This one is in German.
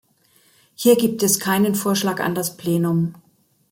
Hier gibt es keinen Vorschlag an das Plenum.